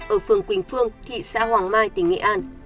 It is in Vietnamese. ở phường quỳnh phương thị xã hoàng mai tỉnh nghệ an